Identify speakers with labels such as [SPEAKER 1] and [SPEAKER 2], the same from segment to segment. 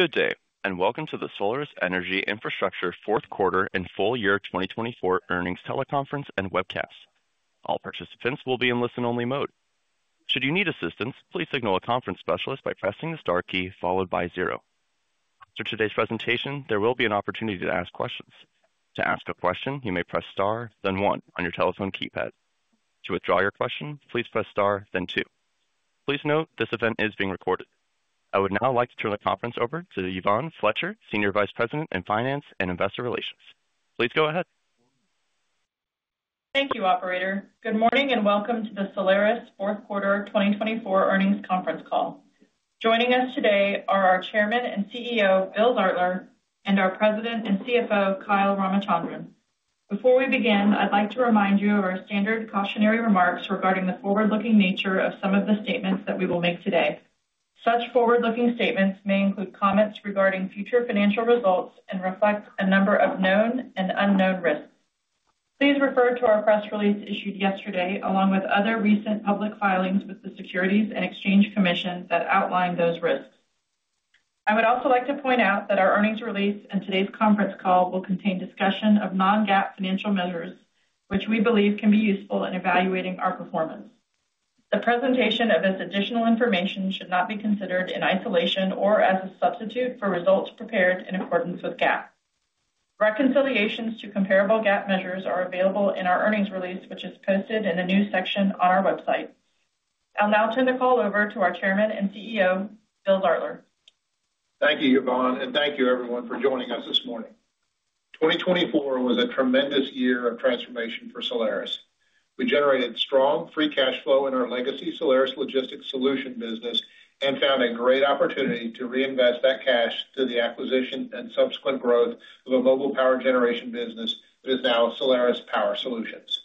[SPEAKER 1] Good day, and welcome to the Solaris Energy Infrastructure Fourth Quarter and Full Year 2024 Earnings Teleconference and Webcast. All participants will be in listen-only mode. Should you need assistance, please signal a conference specialist by pressing the star key followed by zero. After today's presentation, there will be an opportunity to ask questions. To ask a question, you may press star, then one, on your telephone keypad. To withdraw your question, please press star, then two. Please note this event is being recorded. I would now like to turn the conference over to Yvonne Fletcher, Senior Vice President in Finance and Investor Relations. Please go ahead.
[SPEAKER 2] Thank you, Operator. Good morning and welcome to the Solaris Fourth Quarter 2024 Earnings Conference Call. Joining us today are our Chairman and CEO, Bill Zartler, and our President and CFO, Kyle Ramachandran. Before we begin, I'd like to remind you of our standard cautionary remarks regarding the forward-looking nature of some of the statements that we will make today. Such forward-looking statements may include comments regarding future financial results and reflect a number of known and unknown risks. Please refer to our press release issued yesterday, along with other recent public filings with the Securities and Exchange Commission that outline those risks. I would also like to point out that our earnings release and today's conference call will contain discussion of non-GAAP financial measures, which we believe can be useful in evaluating our performance. The presentation of this additional information should not be considered in isolation or as a substitute for results prepared in accordance with GAAP. Reconciliations to comparable GAAP measures are available in our earnings release, which is posted in a new section on our website. I'll now turn the call over to our Chairman and CEO, Bill Zartler.
[SPEAKER 3] Thank you, Yvonne, and thank you, everyone, for joining us this morning. 2024 was a tremendous year of transformation for Solaris. We generated strong free cash flow in our legacy Solaris Logistics Solutions business and found a great opportunity to reinvest that cash through the acquisition and subsequent growth of a mobile power generation business that is now Solaris Power Solutions.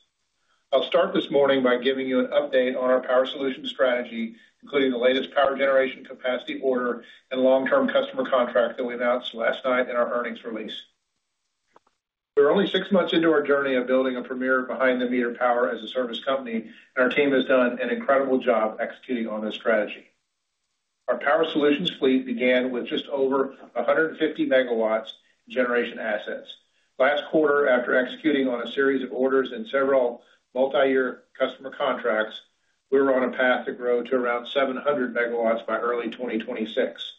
[SPEAKER 3] I'll start this morning by giving you an update on our power solution strategy, including the latest power generation capacity order and long-term customer contract that we announced last night in our earnings release. We're only six months into our journey of building a premier behind-the-meter power-as-a-service company, and our team has done an incredible job executing on this strategy. Our power solutions fleet began with just over 150 megawatts in generation assets. Last quarter, after executing on a series of orders and several multi-year customer contracts, we were on a path to grow to around 700 megawatts by early 2026.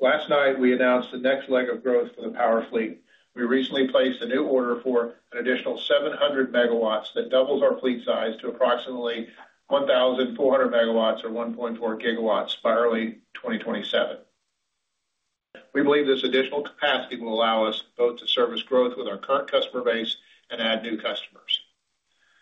[SPEAKER 3] Last night, we announced the next leg of growth for the power fleet. We recently placed a new order for an additional 700 megawatts that doubles our fleet size to approximately 1,400 megawatts, or 1.4 gigawatts, by early 2027. We believe this additional capacity will allow us both to service growth with our current customer base and add new customers.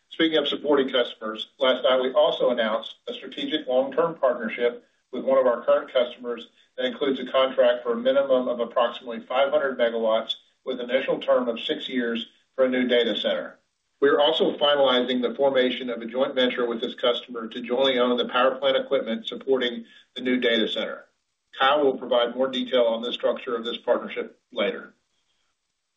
[SPEAKER 3] Speaking of supporting customers, last night we also announced a strategic long-term partnership with one of our current customers that includes a contract for a minimum of approximately 500 megawatts with an initial term of six years for a new data center. We are also finalizing the formation of a joint venture with this customer to jointly own the power plant equipment supporting the new data center. Kyle will provide more detail on the structure of this partnership later.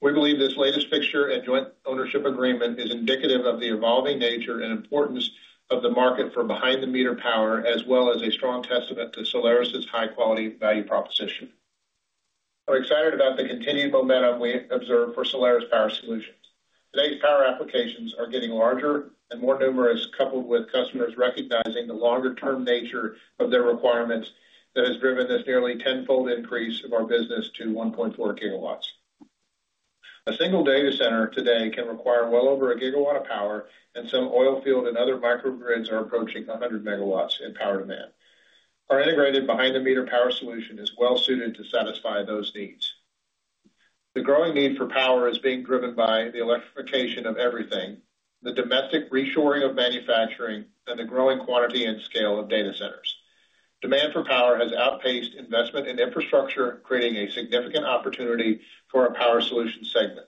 [SPEAKER 3] We believe this latest fixture and joint ownership agreement is indicative of the evolving nature and importance of the market for behind-the-meter power, as well as a strong testament to Solaris's high-quality value proposition. We're excited about the continued momentum we observe for Solaris Power Solutions. Today's power applications are getting larger and more numerous, coupled with customers recognizing the longer-term nature of their requirements that has driven this nearly tenfold increase of our business to 1.4 gigawatts. A single data center today can require well over a gigawatt of power, and some oil field and other microgrids are approaching 100 megawatts in power demand. Our integrated behind-the-meter power solution is well-suited to satisfy those needs. The growing need for power is being driven by the electrification of everything, the domestic reshoring of manufacturing, and the growing quantity and scale of data centers. Demand for power has outpaced investment in infrastructure, creating a significant opportunity for our power solution segment.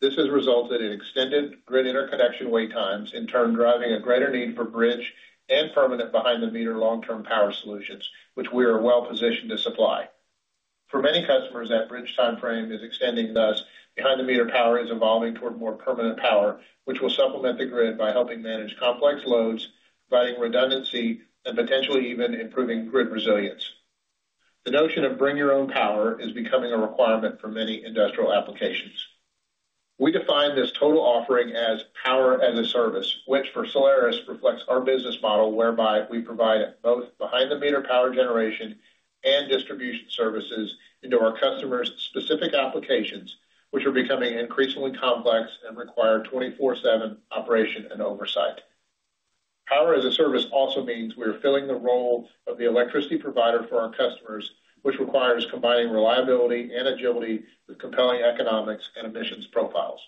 [SPEAKER 3] This has resulted in extended grid interconnection wait times, in turn driving a greater need for bridge and permanent behind-the-meter long-term power solutions, which we are well-positioned to supply. For many customers, that bridge timeframe is extending. Thus, behind-the-meter power is evolving toward more permanent power, which will supplement the grid by helping manage complex loads, providing redundancy, and potentially even improving grid resilience. The notion of bring-your-own-power is becoming a requirement for many industrial applications. We define this total offering as power-as-a-service, which for Solaris reflects our business model whereby we provide both behind-the-meter power generation and distribution services into our customers' specific applications, which are becoming increasingly complex and require 24/7 operation and oversight. Power-as-a-service also means we are filling the role of the electricity provider for our customers, which requires combining reliability and agility with compelling economics and emissions profiles.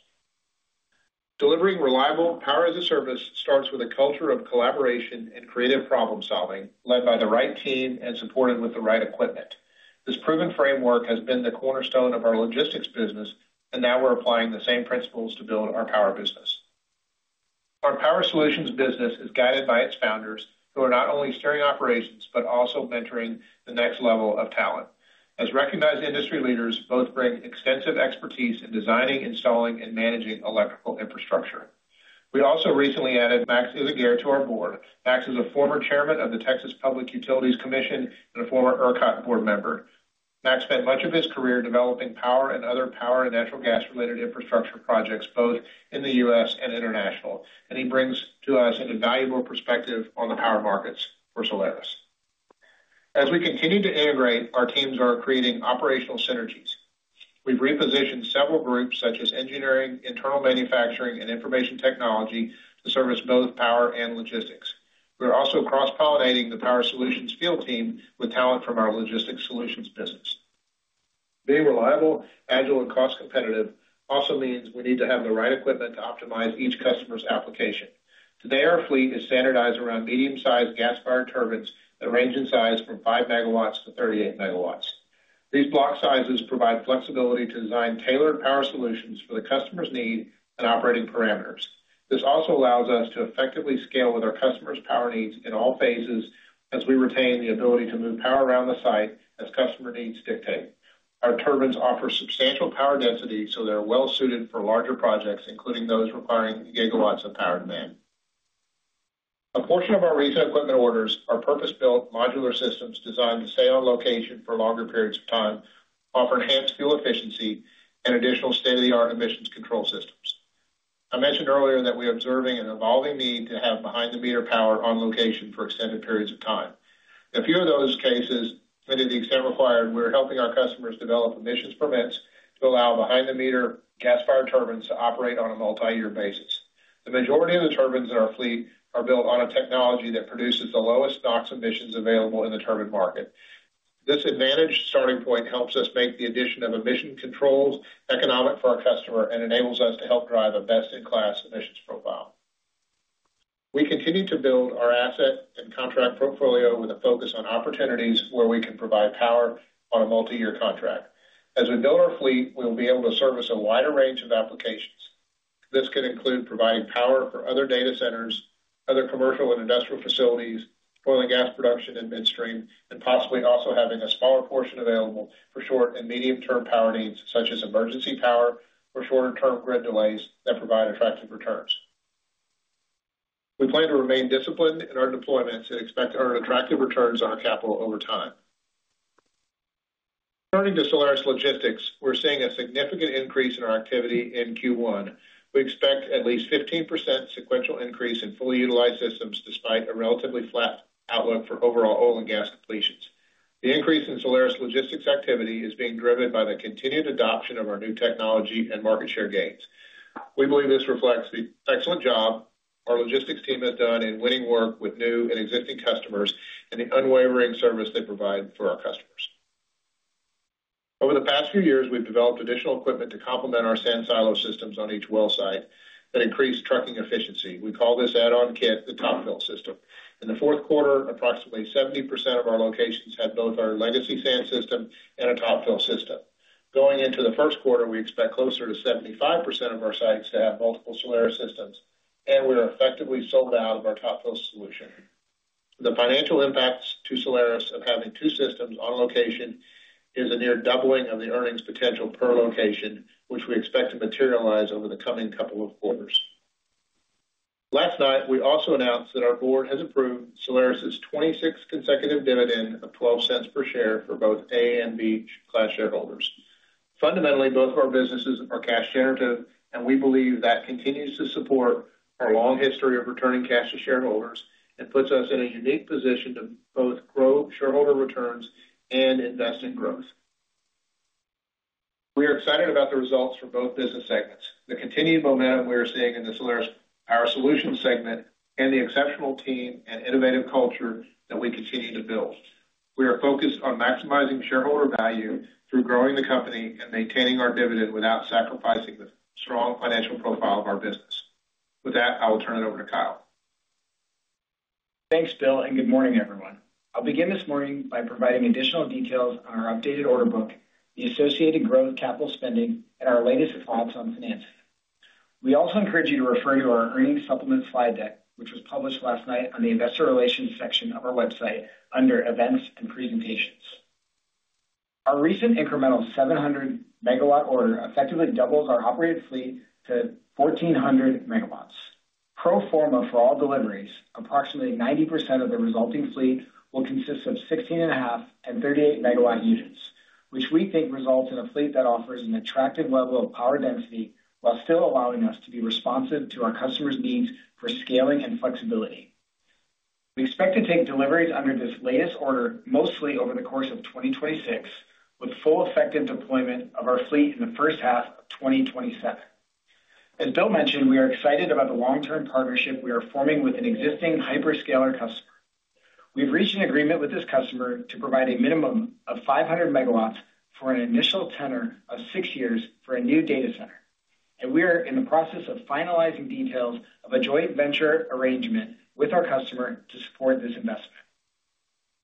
[SPEAKER 3] Delivering reliable power-as-a-service starts with a culture of collaboration and creative problem-solving, led by the right team and supported with the right equipment. This proven framework has been the cornerstone of our logistics business, and now we're applying the same principles to build our power business. Our power solutions business is guided by its founders, who are not only steering operations but also mentoring the next level of talent. As recognized industry leaders, both bring extensive expertise in designing, installing, and managing electrical infrastructure. We also recently added Max Yzaguirre to our board. Max is a former chairman of the Public Utility Commission of Texas and a former ERCOT board member. Max spent much of his career developing power and other power and natural gas-related infrastructure projects, both in the U.S. and international, and he brings to us an invaluable perspective on the power markets for Solaris. As we continue to integrate, our teams are creating operational synergies. We've repositioned several groups, such as engineering, internal manufacturing, and information technology, to service both power and logistics. We're also cross-pollinating the power solutions field team with talent from our logistics solutions business. Being reliable, agile, and cost-competitive also means we need to have the right equipment to optimize each customer's application. Today, our fleet is standardized around medium-sized gas-fired turbines that range in size from five megawatts to 38 megawatts. These block sizes provide flexibility to design tailored power solutions for the customer's needs and operating parameters. This also allows us to effectively scale with our customers' power needs in all phases as we retain the ability to move power around the site as customer needs dictate. Our turbines offer substantial power density, so they're well-suited for larger projects, including those requiring gigawatts of power demand. A portion of our recent equipment orders are purpose-built modular systems designed to stay on location for longer periods of time, offer enhanced fuel efficiency, and additional state-of-the-art emissions control systems. I mentioned earlier that we are observing an evolving need to have behind-the-meter power on location for extended periods of time. In a few of those cases, to the extent required, we're helping our customers develop emissions permits to allow behind-the-meter gas-fired turbines to operate on a multi-year basis. The majority of the turbines in our fleet are built on a technology that produces the lowest NOx emissions available in the turbine market. This advantaged starting point helps us make the addition of emission controls economic for our customer and enables us to help drive a best-in-class emissions profile. We continue to build our asset and contract portfolio with a focus on opportunities where we can provide power on a multi-year contract. As we build our fleet, we will be able to service a wider range of applications. This could include providing power for other data centers, other commercial and industrial facilities, oil and gas production in midstream, and possibly also having a smaller portion available for short and medium-term power needs, such as emergency power or shorter-term grid delays that provide attractive returns. We plan to remain disciplined in our deployments and expect to earn attractive returns on our capital over time. Turning to Solaris Logistics, we're seeing a significant increase in our activity in Q1. We expect at least a 15% sequential increase in fully utilized systems despite a relatively flat outlook for overall oil and gas completions. The increase in Solaris Logistics' activity is being driven by the continued adoption of our new technology and market share gains. We believe this reflects the excellent job our logistics team has done in winning work with new and existing customers and the unwavering service they provide for our customers. Over the past few years, we've developed additional equipment to complement our sand silo systems on each well site that increase trucking efficiency. We call this add-on kit the Top Fill system. In the fourth quarter, approximately 70% of our locations had both our legacy sand system and a Top Fill system. Going into the first quarter, we expect closer to 75% of our sites to have multiple Solaris systems, and we are effectively sold out of our Top Fill solution. The financial impacts to Solaris of having two systems on location is a near doubling of the earnings potential per location, which we expect to materialize over the coming couple of quarters. Last night, we also announced that our board has approved Solaris's 26th consecutive dividend of $0.12 per share for both Class A and Class B shareholders. Fundamentally, both of our businesses are cash-generative, and we believe that continues to support our long history of returning cash to shareholders and puts us in a unique position to both grow shareholder returns and invest in growth. We are excited about the results for both business segments. The continued momentum we are seeing in the Solaris Power Solutions segment and the exceptional team and innovative culture that we continue to build. We are focused on maximizing shareholder value through growing the company and maintaining our dividend without sacrificing the strong financial profile of our business. With that, I will turn it over to Kyle.
[SPEAKER 4] Thanks, Bill, and good morning, everyone. I'll begin this morning by providing additional details on our updated order book, the associated growth capital spending, and our latest thoughts on financing. We also encourage you to refer to our earnings supplement slide deck, which was published last night on the investor relations section of our website under events and presentations. Our recent incremental 700-megawatt order effectively doubles our operated fleet to 1,400 megawatts. Pro forma for all deliveries, approximately 90% of the resulting fleet will consist of 16.5- and 38-megawatt units, which we think results in a fleet that offers an attractive level of power density while still allowing us to be responsive to our customers' needs for scaling and flexibility. We expect to take deliveries under this latest order mostly over the course of 2026, with full effective deployment of our fleet in the first half of 2027. As Bill mentioned, we are excited about the long-term partnership we are forming with an existing hyperscaler customer. We've reached an agreement with this customer to provide a minimum of 500 megawatts for an initial tenor of six years for a new data center, and we are in the process of finalizing details of a joint venture arrangement with our customer to support this investment.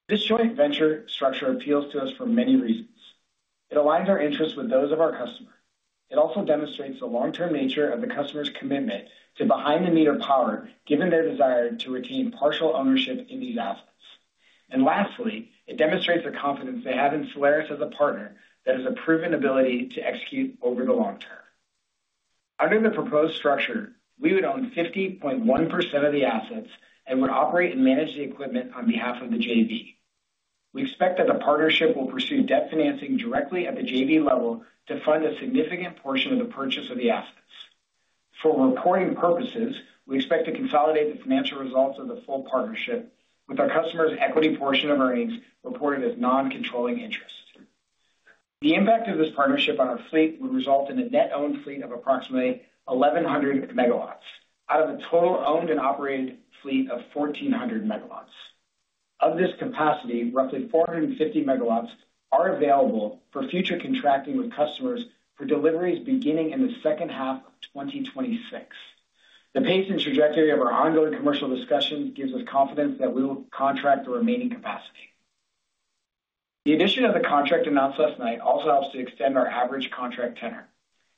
[SPEAKER 4] This joint venture structure appeals to us for many reasons. It aligns our interests with those of our customer. It also demonstrates the long-term nature of the customer's commitment to behind-the-meter power, given their desire to retain partial ownership in these assets. And lastly, it demonstrates the confidence they have in Solaris as a partner that has a proven ability to execute over the long term. Under the proposed structure, we would own 50.1% of the assets and would operate and manage the equipment on behalf of the JV. We expect that the partnership will pursue debt financing directly at the JV level to fund a significant portion of the purchase of the assets. For reporting purposes, we expect to consolidate the financial results of the full partnership with our customer's equity portion of earnings reported as non-controlling interest. The impact of this partnership on our fleet would result in a net-owned fleet of approximately 1,100 megawatts out of a total owned and operated fleet of 1,400 megawatts. Of this capacity, roughly 450 megawatts are available for future contracting with customers for deliveries beginning in the second half of 2026. The pace and trajectory of our ongoing commercial discussion gives us confidence that we will contract the remaining capacity. The addition of the contract announced last night also helps to extend our average contract tenor.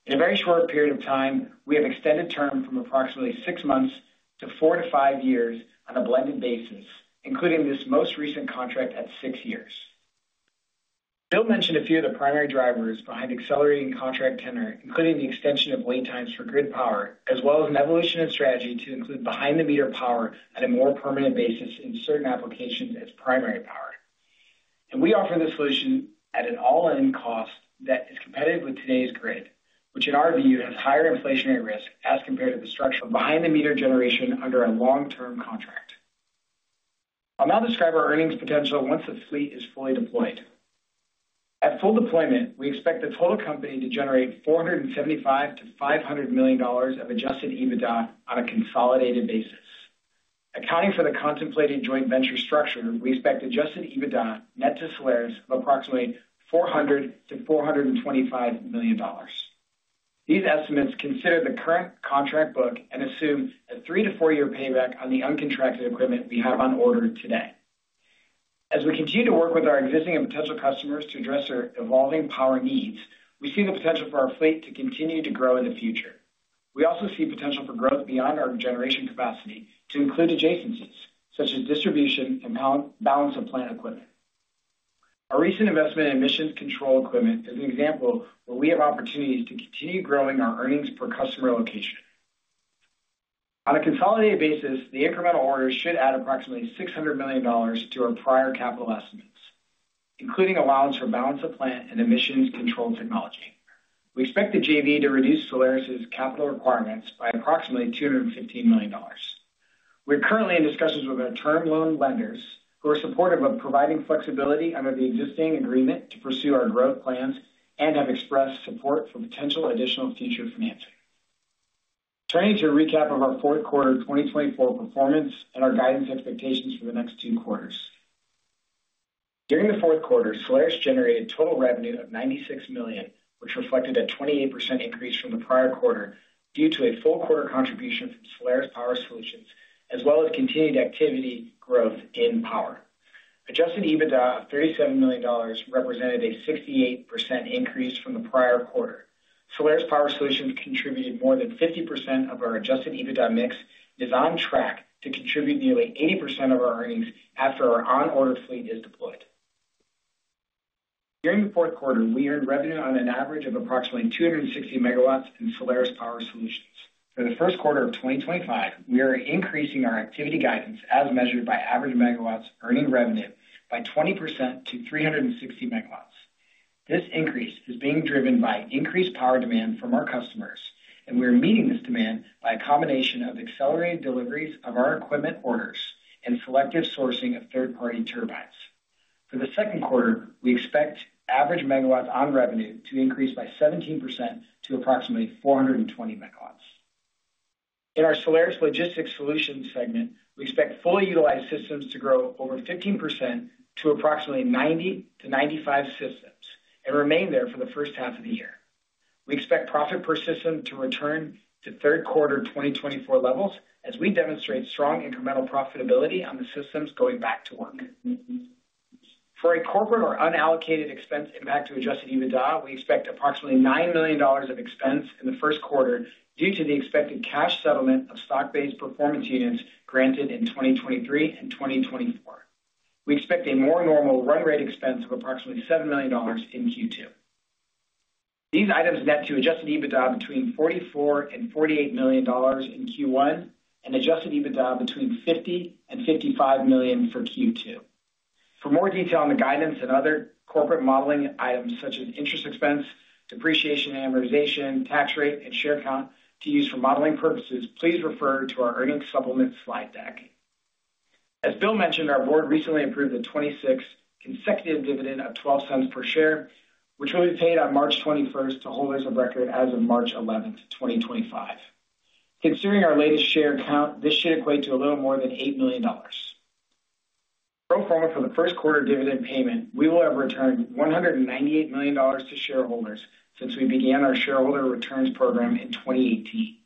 [SPEAKER 4] In a very short period of time, we have extended term from approximately six months to four to five years on a blended basis, including this most recent contract at six years. Bill mentioned a few of the primary drivers behind accelerating contract tenor, including the extension of wait times for grid power, as well as an evolution in strategy to include behind-the-meter power on a more permanent basis in certain applications as primary power, and we offer the solution at an all-in cost that is competitive with today's grid, which in our view has higher inflationary risk as compared to the structure of behind-the-meter generation under a long-term contract. I'll now describe our earnings potential once the fleet is fully deployed. At full deployment, we expect the total company to generate $475-$500 million of Adjusted EBITDA on a consolidated basis. Accounting for the contemplated joint venture structure, we expect Adjusted EBITDA net to Solaris of approximately $400-$425 million. These estimates consider the current contract book and assume a 3-4-year payback on the uncontracted equipment we have on order today. As we continue to work with our existing and potential customers to address our evolving power needs, we see the potential for our fleet to continue to grow in the future. We also see potential for growth beyond our generation capacity to include adjacencies such as distribution and balance of plant equipment. Our recent investment in emissions control equipment is an example where we have opportunities to continue growing our earnings per customer location. On a consolidated basis, the incremental order should add approximately $600 million to our prior capital estimates, including allowance for balance of plant and emissions control technology. We expect the JV to reduce Solaris's capital requirements by approximately $215 million. We're currently in discussions with our term loan lenders, who are supportive of providing flexibility under the existing agreement to pursue our growth plans and have expressed support for potential additional future financing. Turning to a recap of our fourth quarter 2024 performance and our guidance expectations for the next two quarters. During the fourth quarter, Solaris generated total revenue of $96 million, which reflected a 28% increase from the prior quarter due to a full quarter contribution from Solaris Power Solutions, as well as continued activity growth in power. Adjusted EBITDA of $37 million represented a 68% increase from the prior quarter. Solaris Power Solutions contributed more than 50% of our Adjusted EBITDA mix and is on track to contribute nearly 80% of our earnings after our on-order fleet is deployed. During the fourth quarter, we earned revenue on an average of approximately 260 megawatts in Solaris Power Solutions. For the first quarter of 2025, we are increasing our activity guidance as measured by average megawatts earning revenue by 20% to 360 megawatts. This increase is being driven by increased power demand from our customers, and we are meeting this demand by a combination of accelerated deliveries of our equipment orders and selective sourcing of third-party turbines. For the second quarter, we expect average megawatts on revenue to increase by 17% to approximately 420 megawatts. In our Solaris Logistics Solutions segment, we expect fully utilized systems to grow over 15% to approximately 90-95 systems and remain there for the first half of the year. We expect profit per system to return to third quarter 2024 levels as we demonstrate strong incremental profitability on the systems going back to work. For a corporate or unallocated expense impact to Adjusted EBITDA, we expect approximately $9 million of expense in the first quarter due to the expected cash settlement of stock-based performance units granted in 2023 and 2024. We expect a more normal run rate expense of approximately $7 million in Q2. These items net to Adjusted EBITDA between $44 million and $48 million in Q1 and Adjusted EBITDA between $50 million and $55 million for Q2. For more detail on the guidance and other corporate modeling items such as interest expense, depreciation and amortization, tax rate, and share count to use for modeling purposes, please refer to our earnings supplement slide deck. As Bill mentioned, our board recently approved a 26th consecutive dividend of $0.12 per share, which will be paid on March 21st to holders of record as of March 11th, 2025. Considering our latest share count, this should equate to a little more than $8 million. Pro forma for the first quarter dividend payment, we will have returned $198 million to shareholders since we began our shareholder returns program in 2018.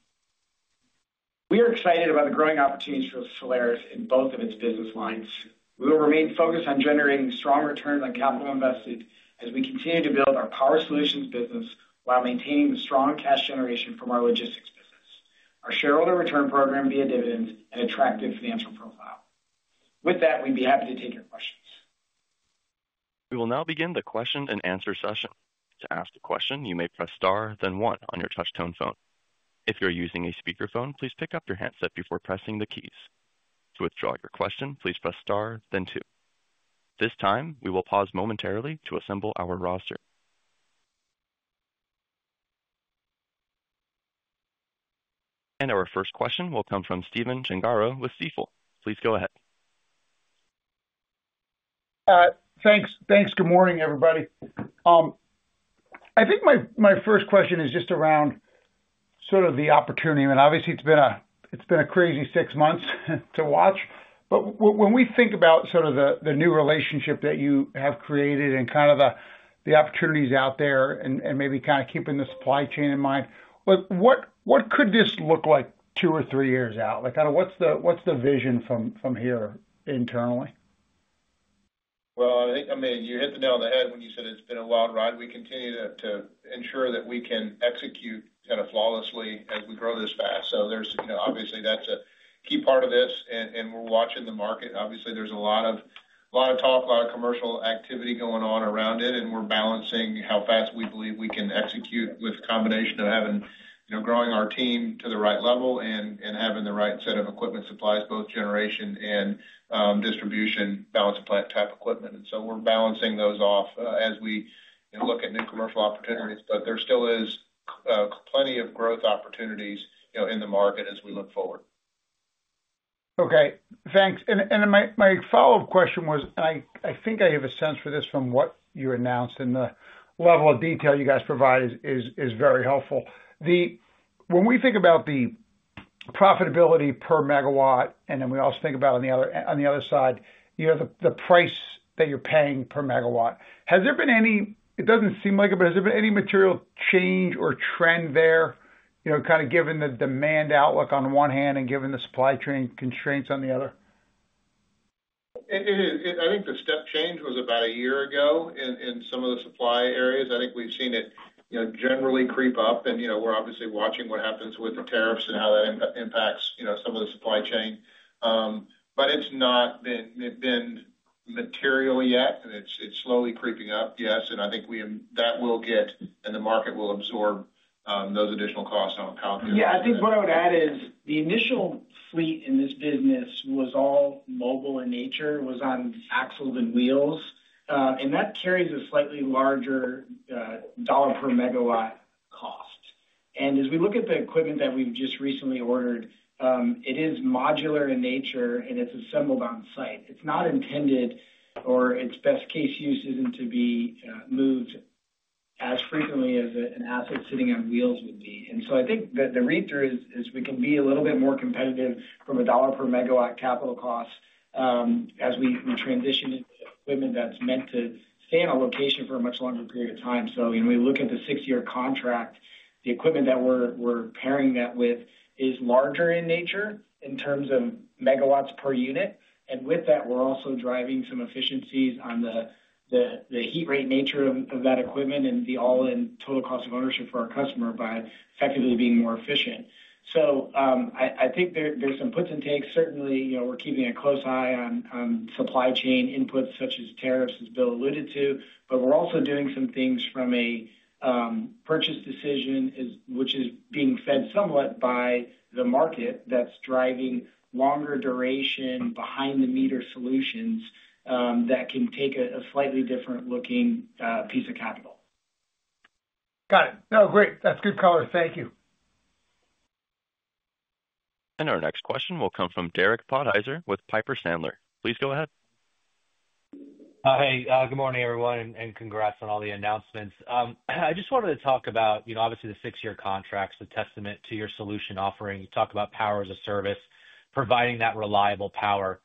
[SPEAKER 4] We are excited about the growing opportunities for Solaris in both of its business lines. We will remain focused on generating strong returns on capital invested as we continue to build our power solutions business while maintaining the strong cash generation from our logistics business, our shareholder return program via dividends, and attractive financial profile. With that, we'd be happy to take your questions.
[SPEAKER 1] We will now begin the question and answer session. To ask a question, you may press star, then one on your touch-tone phone. If you're using a speakerphone, please pick up your handset before pressing the keys. To withdraw your question, please press star, then two. This time, we will pause momentarily to assemble our roster. And our first question will come from Stephen Gengaro with Stifel. Please go ahead.
[SPEAKER 5] Thanks. Thanks. Good morning, everybody. I think my first question is just around sort of the opportunity. I mean, obviously, it's been a crazy six months to watch. But when we think about sort of the new relationship that you have created and kind of the opportunities out there and maybe kind of keeping the supply chain in mind, what could this look like two or three years out? Kind of what's the vision from here internally?
[SPEAKER 3] Well, I mean, you hit the nail on the head when you said it's been a wild ride. We continue to ensure that we can execute kind of flawlessly as we grow this fast. So obviously, that's a key part of this, and we're watching the market. Obviously, there's a lot of talk, a lot of commercial activity going on around it, and we're balancing how fast we believe we can execute with a combination of growing our team to the right level and having the right set of equipment supplies, both generation and distribution balance-of-plant type equipment. And so we're balancing those off as we look at new commercial opportunities, but there still is plenty of growth opportunities in the market as we look forward.
[SPEAKER 5] Okay. Thanks. And my follow-up question was, and I think I have a sense for this from what you announced, and the level of detail you guys provide is very helpful. When we think about the profitability per megawatt, and then we also think about on the other side, the price that you're paying per megawatt, has there been any-it doesn't seem like it, but has there been any material change or trend there, kind of given the demand outlook on one hand and given the supply chain constraints on the other?
[SPEAKER 3] It is. I think the step change was about a year ago in some of the supply areas. I think we've seen it generally creep up, and we're obviously watching what happens with the tariffs and how that impacts some of the supply chain. But it's not been material yet, and it's slowly creeping up, yes, and I think that will get, and the market will absorb those additional costs on a palatability basis.
[SPEAKER 4] Yeah. I think what I would add is the initial fleet in this business was all mobile in nature, was on axles and wheels, and that carries a slightly larger $ per megawatt cost. And as we look at the equipment that we've just recently ordered, it is modular in nature, and it's assembled on site. It's not intended, or its best case use isn't to be moved as frequently as an asset sitting on wheels would be. And so I think the read-through is we can be a little bit more competitive from a $ per megawatt capital cost as we transition into equipment that's meant to stay in a location for a much longer period of time. So when we look at the six-year contract, the equipment that we're pairing that with is larger in nature in terms of megawatts per unit. With that, we're also driving some efficiencies on the heat rate nature of that equipment and the all-in total cost of ownership for our customer by effectively being more efficient. I think there's some puts and takes. Certainly, we're keeping a close eye on supply chain inputs such as tariffs, as Bill alluded to, but we're also doing some things from a purchase decision, which is being fed somewhat by the market that's driving longer duration behind-the-meter solutions that can take a slightly different looking piece of capital.
[SPEAKER 5] Got it. No, great. That's good color. Thank you.
[SPEAKER 1] Our next question will come from Derek Podhaizer with Piper Sandler. Please go ahead.
[SPEAKER 6] Hi. Good morning, everyone, and congrats on all the announcements. I just wanted to talk about, obviously, the six-year contracts, a testament to your solution offering. You talk about power as a service, providing that reliable power.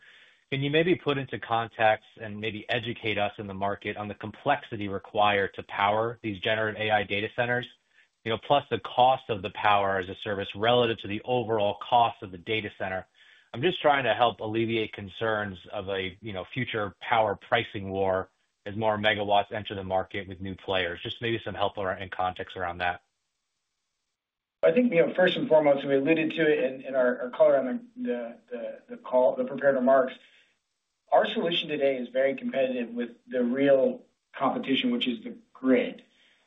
[SPEAKER 6] Can you maybe put into context and maybe educate us in the market on the complexity required to power these generative AI data centers, plus the cost of the power as a service relative to the overall cost of the data center? I'm just trying to help alleviate concerns of a future power pricing war as more megawatts enter the market with new players. Just maybe some help in context around that.
[SPEAKER 4] I think first and foremost, we alluded to it in our color on the prepared remarks. Our solution today is very competitive with the real competition, which is the grid.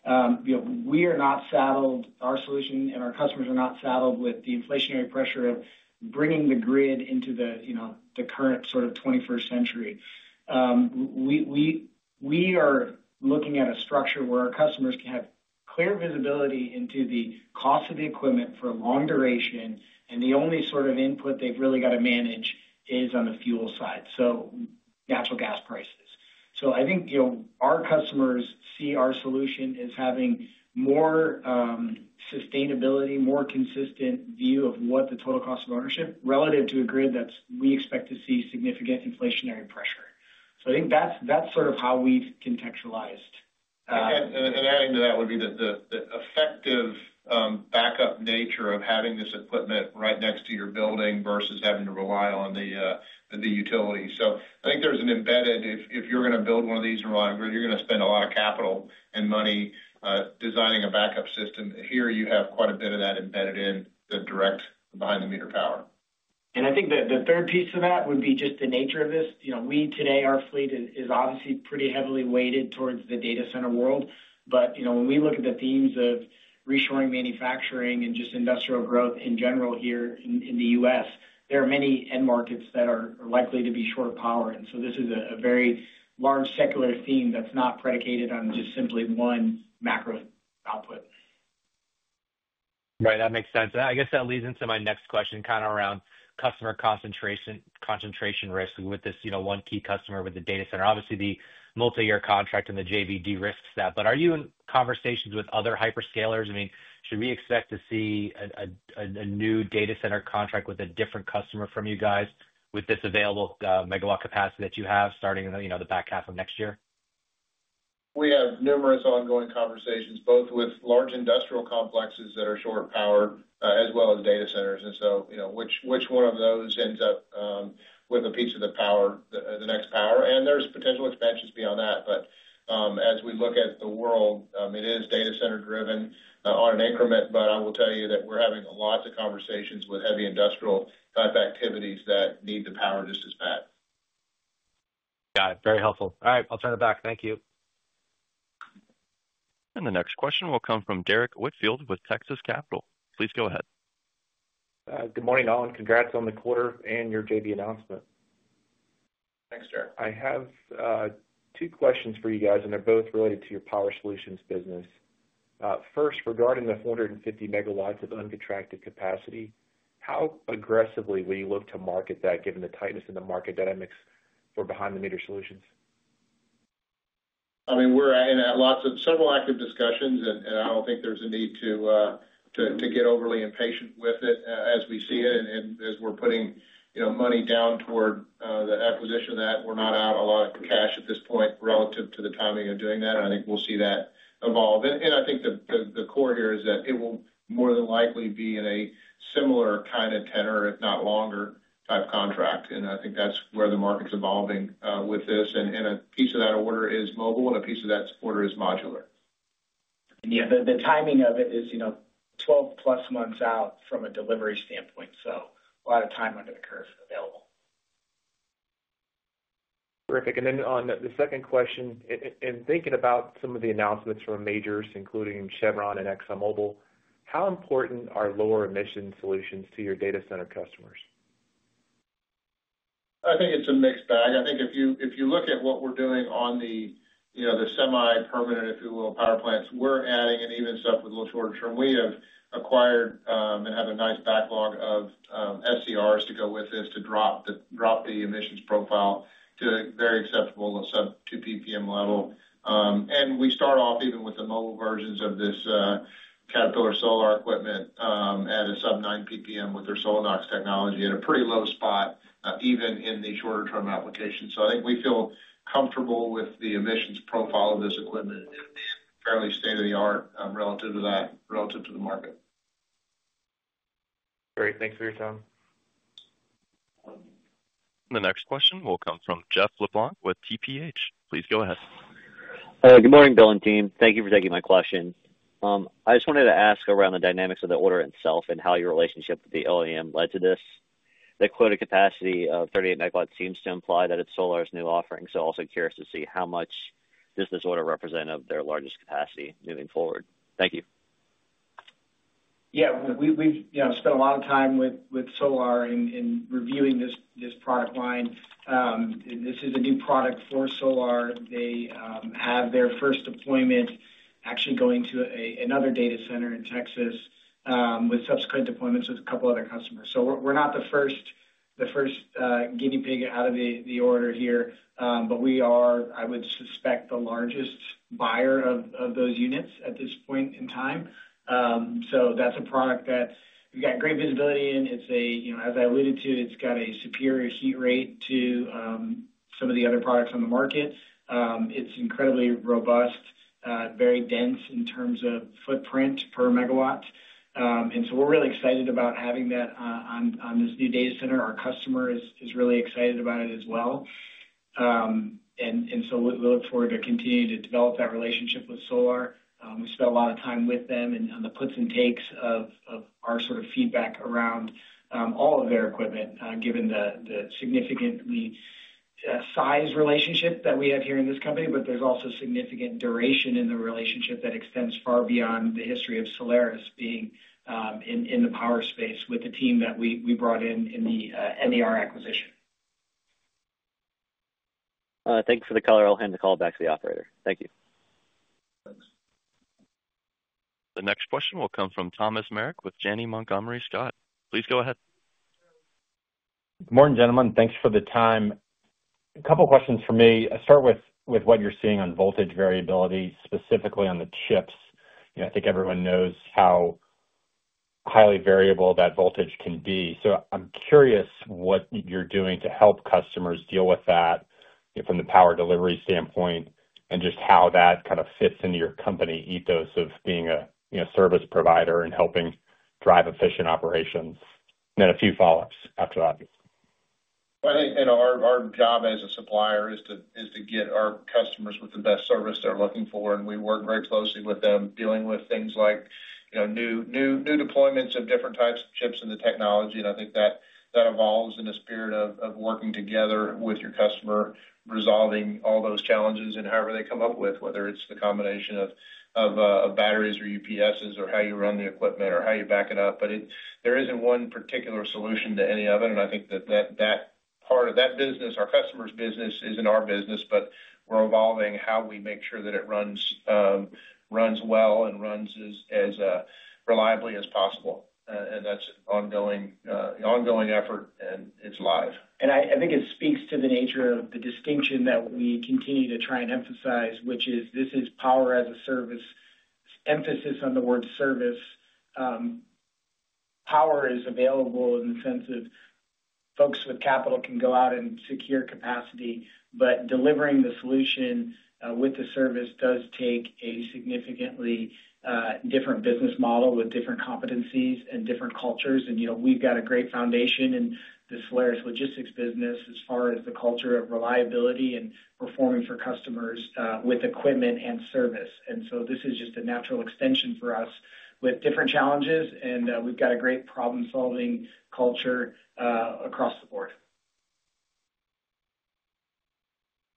[SPEAKER 4] We are not saddled, our solution and our customers are not saddled with the inflationary pressure of bringing the grid into the current sort of 21st century. We are looking at a structure where our customers can have clear visibility into the cost of the equipment for a long duration, and the only sort of input they've really got to manage is on the fuel side, so natural gas prices. So I think our customers see our solution as having more sustainability, more consistent view of what the total cost of ownership relative to a grid that we expect to see significant inflationary pressure. So I think that's sort of how we've contextualized.
[SPEAKER 3] And adding to that would be the effective backup nature of having this equipment right next to your building versus having to rely on the utility. So I think there's an embedded-if you're going to build one of these and rely on grid, you're going to spend a lot of capital and money designing a backup system. Here, you have quite a bit of that embedded in the direct behind-the-meter power.
[SPEAKER 4] I think the third piece of that would be just the nature of this. We today, our fleet is obviously pretty heavily weighted towards the data center world, but when we look at the themes of reshoring manufacturing and just industrial growth in general here in the U.S., there are many end markets that are likely to be short of power. And so this is a very large secular theme that's not predicated on just simply one macro output.
[SPEAKER 6] Right. That makes sense. I guess that leads into my next question kind of around customer concentration risk with this one key customer with the data center. Obviously, the multi-year contract and the JV de-risks that, but are you in conversations with other hyperscalers? I mean, should we expect to see a new data center contract with a different customer from you guys with this available megawatt capacity that you have starting in the back half of next year?
[SPEAKER 3] We have numerous ongoing conversations, both with large industrial complexes that are short of power as well as data centers. And so which one of those ends up with a piece of the power, the next power? And there's potential expansions beyond that. But as we look at the world, it is data center-driven on an increment, but I will tell you that we're having lots of conversations with heavy industrial-type activities that need the power just as bad.
[SPEAKER 6] Got it. Very helpful. All right. I'll turn it back. Thank you.
[SPEAKER 1] The next question will come from Derrick Whitfield with Texas Capital. Please go ahead.
[SPEAKER 7] Good morning, Alan. Congrats on the quarter and your JV announcement.
[SPEAKER 3] Thanks, Derek.
[SPEAKER 7] I have two questions for you guys, and they're both related to your power solutions business. First, regarding the 450 megawatts of uncontracted capacity, how aggressively will you look to market that given the tightness in the market dynamics for behind-the-meter solutions?
[SPEAKER 3] I mean, we're in several active discussions, and I don't think there's a need to get overly impatient with it as we see it. And as we're putting money down toward the acquisition of that, we're not out a lot of cash at this point relative to the timing of doing that. And I think we'll see that evolve. And I think the core here is that it will more than likely be in a similar kind of tenor, if not longer type contract. And I think that's where the market's evolving with this. And a piece of that order is mobile, and a piece of that order is modular.
[SPEAKER 4] Yeah, the timing of it is 12-plus months out from a delivery standpoint, so a lot of time under the curve available.
[SPEAKER 7] Terrific. And then on the second question, in thinking about some of the announcements from majors, including Chevron and ExxonMobil, how important are lower emission solutions to your data center customers?
[SPEAKER 3] I think it's a mixed bag. I think if you look at what we're doing on the semi-permanent, if you will, power plants, we're adding an even step with a little shorter term. We have acquired and have a nice backlog of SCRs to go with this to drop the emissions profile to a very acceptable sub-2 PPM level, and we start off even with the mobile versions of this Caterpillar Solar equipment at a sub-9 PPM with their SoLoNOx technology at a pretty low spot, even in the shorter-term application, so I think we feel comfortable with the emissions profile of this equipment. It's fairly state-of-the-art relative to the market.
[SPEAKER 7] Great. Thanks for your time.
[SPEAKER 1] The next question will come from Jeff LeBlanc with TPH. Please go ahead.
[SPEAKER 3] Good morning, Bill and team. Thank you for taking my question. I just wanted to ask around the dynamics of the order itself and how your relationship with the OEM led to this. The quoted capacity of 38 megawatts seems to imply that it's Solaris' new offering, so also curious to see how much does this order represent of their largest capacity moving forward? Thank you.
[SPEAKER 4] Yeah. We've spent a lot of time with Solar in reviewing this product line. This is a new product for Solar. They have their first deployment actually going to another data center in Texas with subsequent deployments with a couple of other customers. So we're not the first guinea pig out of the order here, but we are, I would suspect, the largest buyer of those units at this point in time. So that's a product that we've got great visibility in. As I alluded to, it's got a superior heat rate to some of the other products on the market. It's incredibly robust, very dense in terms of footprint per megawatt. And so we're really excited about having that on this new data center. Our customer is really excited about it as well. And so we look forward to continuing to develop that relationship with Solar. We spent a lot of time with them on the puts and takes of our sort of feedback around all of their equipment, given the significantly sized relationship that we have here in this company, but there's also significant duration in the relationship that extends far beyond the history of Solaris being in the power space with the team that we brought in in the NER acquisition.
[SPEAKER 3] Thanks for the color. I'll hand the call back to the operator. Thank you. Thanks.
[SPEAKER 1] The next question will come from Thomas Merrick with Janney Montgomery Scott. Please go ahead.
[SPEAKER 6] Good morning, gentlemen. Thanks for the time. A couple of questions for me. I'll start with what you're seeing on voltage variability, specifically on the chips. I think everyone knows how highly variable that voltage can be. So I'm curious what you're doing to help customers deal with that from the power delivery standpoint and just how that kind of fits into your company ethos of being a service provider and helping drive efficient operations, and then a few follow-ups after that.
[SPEAKER 3] I think our job as a supplier is to get our customers with the best service they're looking for, and we work very closely with them dealing with things like new deployments of different types of chips and the technology. And I think that evolves in the spirit of working together with your customer, resolving all those challenges and however they come up with, whether it's the combination of batteries or UPSs or how you run the equipment or how you back it up. But there isn't one particular solution to any of it, and I think that that part of that business, our customer's business is in our business, but we're evolving how we make sure that it runs well and runs as reliably as possible. And that's an ongoing effort, and it's live.
[SPEAKER 4] And I think it speaks to the nature of the distinction that we continue to try and emphasize, which is this is power as a service. Emphasis on the word service. Power is available in the sense of folks with capital can go out and secure capacity, but delivering the solution with the service does take a significantly different business model with different competencies and different cultures. And we've got a great foundation in the Solaris Logistics business as far as the culture of reliability and performing for customers with equipment and service. And so this is just a natural extension for us with different challenges, and we've got a great problem-solving culture across the board.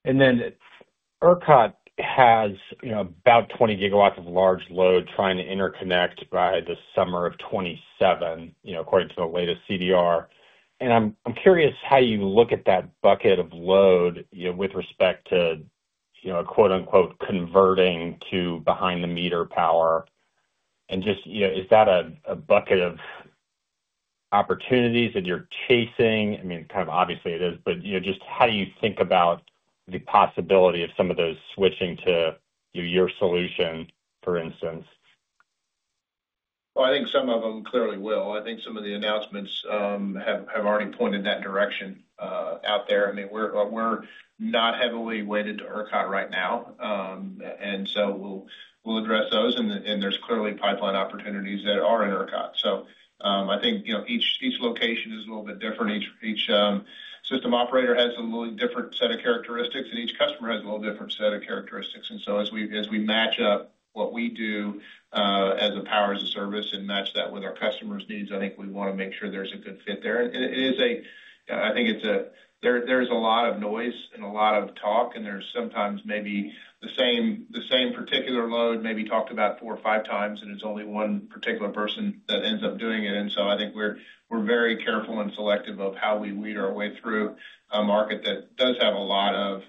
[SPEAKER 6] And then ERCOT has about 20 gigawatts of large load trying to interconnect by the summer of 2027, according to the latest CDR. And I'm curious how you look at that bucket of load with respect to "converting to behind-the-meter power." And just is that a bucket of opportunities that you're chasing? I mean, kind of obviously it is, but just how do you think about the possibility of some of those switching to your solution, for instance?
[SPEAKER 3] I think some of them clearly will. I think some of the announcements have already pointed in that direction out there. I mean, we're not heavily weighted to ERCOT right now, and so we'll address those. There's clearly pipeline opportunities that are in ERCOT. I think each location is a little bit different. Each system operator has a little different set of characteristics, and each customer has a little different set of characteristics. As we match up what we do as a power as a service and match that with our customer's needs, I think we want to make sure there's a good fit there. I think there's a lot of noise and a lot of talk, and there's sometimes maybe the same particular load may be talked about four or five times, and it's only one particular person that ends up doing it. And so I think we're very careful and selective of how we weed our way through a market that does have a lot of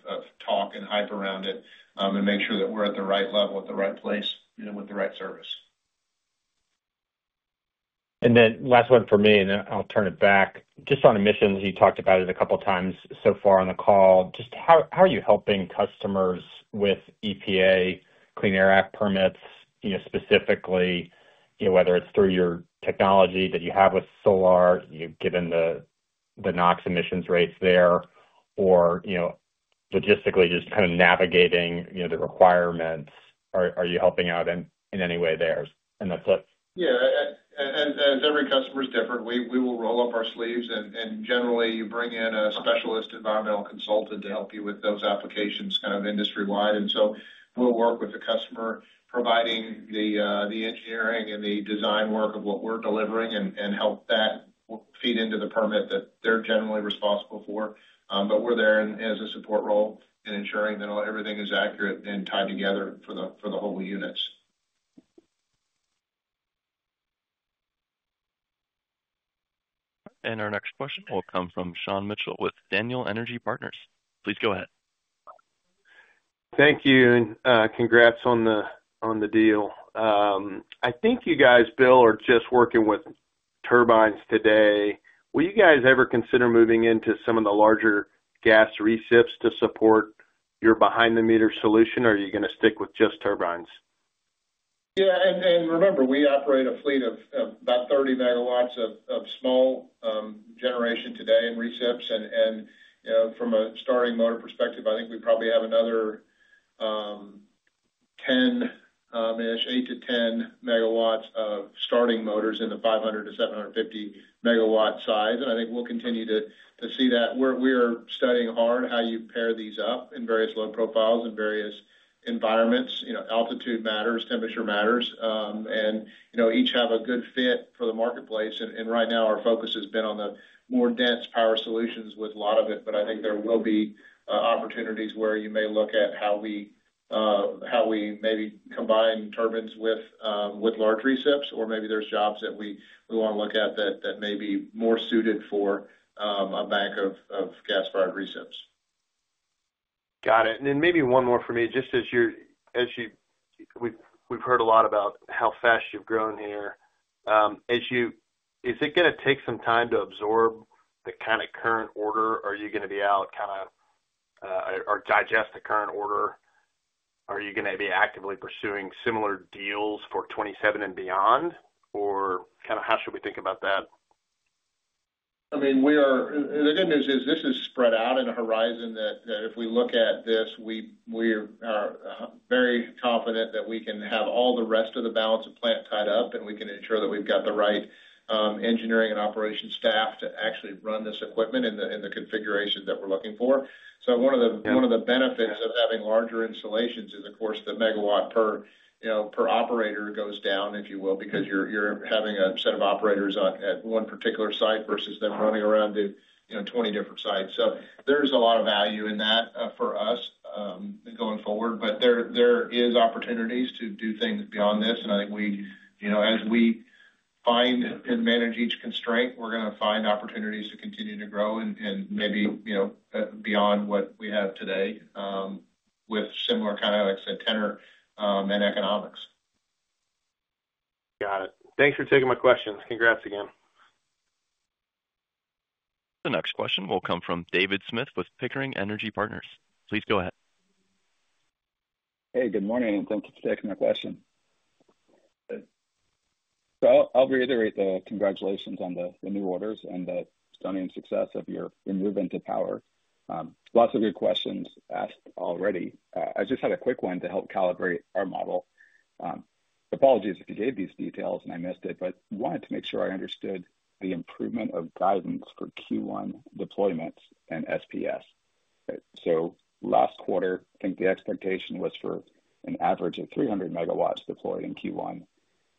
[SPEAKER 3] talk and hype around it and make sure that we're at the right level at the right place with the right service.
[SPEAKER 6] And then last one for me, and I'll turn it back. Just on emissions, you talked about it a couple of times so far on the call. Just how are you helping customers with EPA, Clean Air Act permits, specifically whether it's through your technology that you have with Solar, given the NOx emissions rates there, or logistically just kind of navigating the requirements? Are you helping out in any way there? And that's it.
[SPEAKER 3] Yeah. And every customer is different. We will roll up our sleeves, and generally, you bring in a specialist environmental consultant to help you with those applications kind of industry-wide. And so we'll work with the customer, providing the engineering and the design work of what we're delivering and help that feed into the permit that they're generally responsible for. But we're there as a support role in ensuring that everything is accurate and tied together for the whole units.
[SPEAKER 1] And our next question will come from Sean Mitchell with Daniel Energy Partners. Please go ahead.
[SPEAKER 8] Thank you and congrats on the deal. I think you guys, Bill, are just working with turbines today. Will you guys ever consider moving into some of the larger gas reciprocating to support your behind-the-meter solution, or are you going to stick with just turbines?
[SPEAKER 3] Yeah. Remember, we operate a fleet of about 30 megawatts of small generation today in recips. From a recips perspective, I think we probably have another 10-ish, 8-10 megawatts of recips in the 500-750 megawatt size. I think we'll continue to see that. We are studying hard how you pair these up in various load profiles and various environments. Altitude matters. Temperature matters. Each have a good fit for the marketplace. Right now, our focus has been on the more dense power solutions with a lot of it, but I think there will be opportunities where you may look at how we maybe combine turbines with large recips, or maybe there's jobs that we want to look at that may be more suited for a bank of gas-powered recips.
[SPEAKER 8] Got it. And then maybe one more for me, just as we've heard a lot about how fast you've grown here. Is it going to take some time to absorb the kind of current order? Are you going to be out kind of or digest the current order? Are you going to be actively pursuing similar deals for 2027 and beyond? Or kind of how should we think about that?
[SPEAKER 3] I mean, the good news is this is spread out in a horizon that if we look at this, we are very confident that we can have all the rest of the balance of plant tied up, and we can ensure that we've got the right engineering and operation staff to actually run this equipment in the configuration that we're looking for. So one of the benefits of having larger installations is, of course, the megawatt per operator goes down, if you will, because you're having a set of operators at one particular site versus them running around to 20 different sites. So there's a lot of value in that for us going forward, but there are opportunities to do things beyond this. I think as we find and manage each constraint, we're going to find opportunities to continue to grow and maybe beyond what we have today with similar kind of, like I said, tenor and economics.
[SPEAKER 8] Got it. Thanks for taking my questions. Congrats again.
[SPEAKER 1] The next question will come from David Smith with Pickering Energy Partners. Please go ahead.
[SPEAKER 3] Hey, good morning, and thank you for taking my question. So I'll reiterate the congratulations on the new orders and the stunning success of your movement to power. Lots of good questions asked already. I just had a quick one to help calibrate our model. Apologies if you gave these details and I missed it, but wanted to make sure I understood the improvement of guidance for Q1 deployments and SPS. So last quarter, I think the expectation was for an average of 300 megawatts deployed in Q1.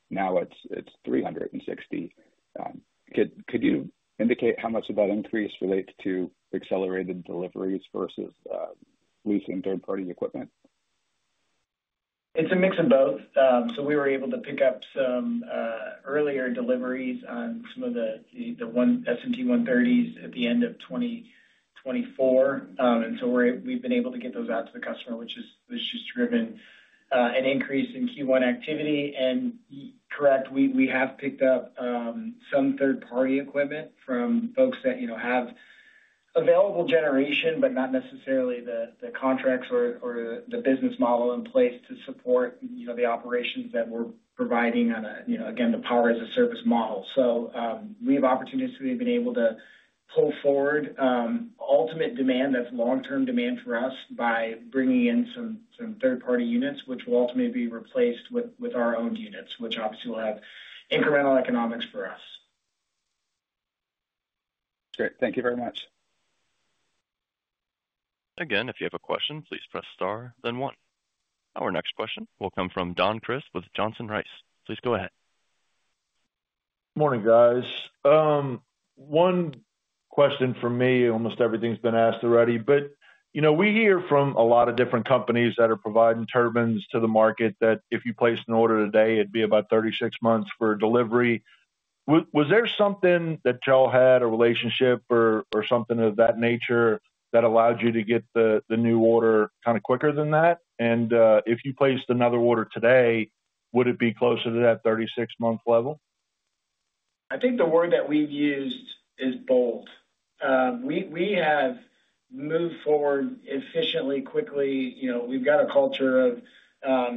[SPEAKER 3] Now it's 360. Could you indicate how much of that increase relates to accelerated deliveries versus leasing third-party equipment?
[SPEAKER 4] It's a mix of both. So we were able to pick up some earlier deliveries on some of the SMT 130s at the end of 2024. And so we've been able to get those out to the customer, which has just driven an increase in Q1 activity. And correct, we have picked up some third-party equipment from folks that have available generation, but not necessarily the contracts or the business model in place to support the operations that we're providing on, again, the power as a service model. So we have opportunities to be able to pull forward ultimate demand that's long-term demand for us by bringing in some third-party units, which will ultimately be replaced with our own units, which obviously will have incremental economics for us.
[SPEAKER 8] Great. Thank you very much.
[SPEAKER 1] Again, if you have a question, please press star, then one. Our next question will come from Don Crist with Johnson Rice. Please go ahead.
[SPEAKER 9] Morning, guys. One question for me. Almost everything's been asked already, but we hear from a lot of different companies that are providing turbines to the market that if you place an order today, it'd be about 36 months for delivery. Was there something that y'all had, a relationship or something of that nature that allowed you to get the new order kind of quicker than that? And if you placed another order today, would it be closer to that 36-month level?
[SPEAKER 4] I think the word that we've used is bold. We have moved forward efficiently, quickly. We've got a culture of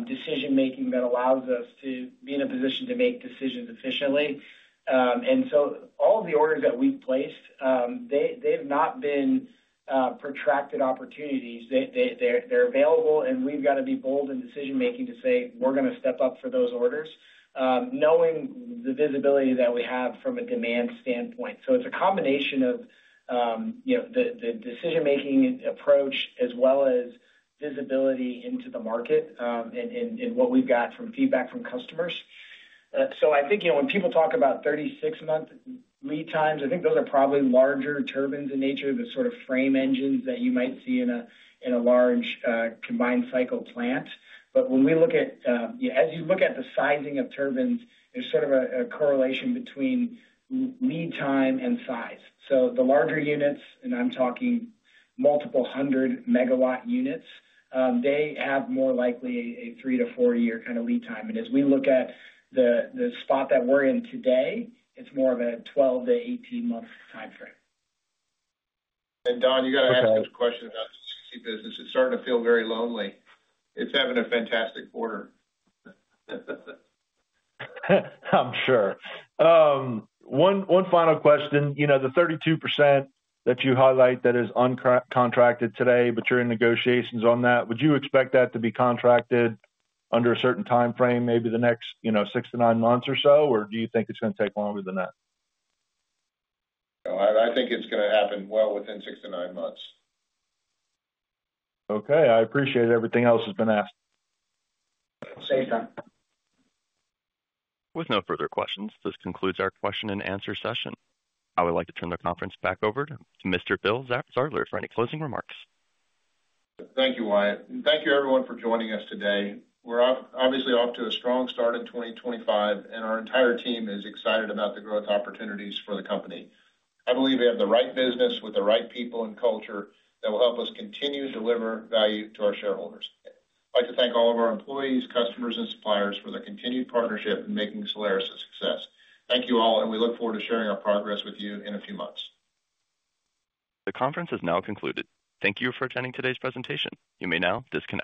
[SPEAKER 4] decision-making that allows us to be in a position to make decisions efficiently, and so all of the orders that we've placed, they've not been protracted opportunities. They're available, and we've got to be bold in decision-making to say, "We're going to step up for those orders," knowing the visibility that we have from a demand standpoint, so it's a combination of the decision-making approach as well as visibility into the market and what we've got from feedback from customers, so I think when people talk about 36-month lead times, I think those are probably larger turbines in nature, the sort of frame engines that you might see in a large combined cycle plant. But when we look at, as you look at the sizing of turbines, there's sort of a correlation between lead time and size. So the larger units, and I'm talking multiple-hundred-megawatt units, they have more likely a three- to four-year kind of lead time. And as we look at the spot that we're in today, it's more of a 12- to 18-month time frame.
[SPEAKER 3] And Don, you got to ask those questions out to the business. It's starting to feel very lonely. It's having a fantastic order.
[SPEAKER 9] I'm sure. One final question. The 32% that you highlight that is uncontracted today, but you're in negotiations on that. Would you expect that to be contracted under a certain time frame, maybe the next six to nine months or so, or do you think it's going to take longer than that?
[SPEAKER 3] I think it's going to happen well within six to nine months.
[SPEAKER 8] Okay. I appreciate everything else has been asked.
[SPEAKER 4] Same time.
[SPEAKER 1] With no further questions, this concludes our question and answer session. I would like to turn the conference back over to Mr. Bill Zartler for any closing remarks.
[SPEAKER 3] Thank you, Wyatt. And thank you, everyone, for joining us today. We're obviously off to a strong start in 2025, and our entire team is excited about the growth opportunities for the company. I believe we have the right business with the right people and culture that will help us continue to deliver value to our shareholders. I'd like to thank all of our employees, customers, and suppliers for the continued partnership in making Solaris a success. Thank you all, and we look forward to sharing our progress with you in a few months.
[SPEAKER 1] The conference has now concluded. Thank you for attending today's presentation. You may now disconnect.